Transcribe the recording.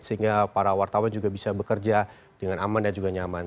sehingga para wartawan juga bisa bekerja dengan aman dan juga nyaman